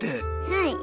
はい。